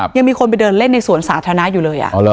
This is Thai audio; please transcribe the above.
ยังมีคนไปเดินเล่นในสวนสาธารณะอยู่เลย